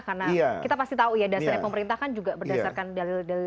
karena kita pasti tahu ya dasarnya pemerintah kan juga berdasarkan dalil dalil